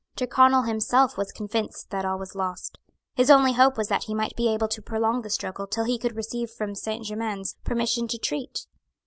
Tyrconnel himself was convinced that all was lost. His only hope was that he might be able to prolong the struggle till he could receive from Saint Germains permission to treat.